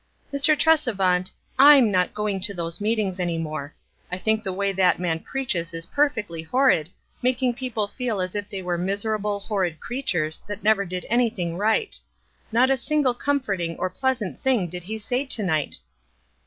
"Mr. Tresevant, Im not going to those meet ings any more. I think the way that man preaches is perfectly horrid, making people feel as if they were miserable, horrid creatures, that never did anything right. Not a single com forting or pleasant thing did he say to night.